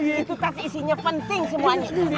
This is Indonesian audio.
itu tadi isinya penting semuanya